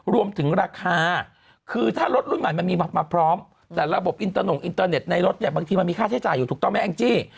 รวมถึงราคาคือถ้ารถรุ่นใหม่มันมีมาพร้อมแต่ระบบอินเตอร์โน่งอินเตอร์เน็ตในรถเนี่ยบางทีมันมีค่าใช้จ่ายอยู่ถูกต้องไหมแองจี้